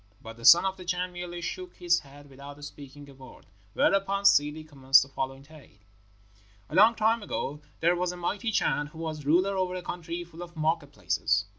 But the Son of the Chan merely shook his head without speaking a word. Whereupon Ssidi commenced the following tale: "A long time ago there was a mighty Chan who was ruler over a country full of market places.